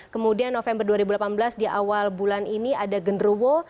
kemudian november dua ribu delapan belas di awal bulan ini ada genderuwo